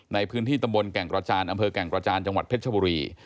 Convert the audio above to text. ในพื้นที่ตำบลแก่งกระจานอำเภอแก่งกระจานจังหวัดเพชรชบุรี